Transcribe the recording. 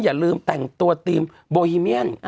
อย่าลืมแต่งตัวทีมโบฮิเมียน